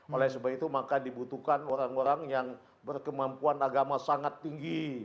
oleh sebab itu maka dibutuhkan orang orang yang berkemampuan agama sangat tinggi